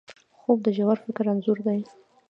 خوب د ژور فکر انځور دی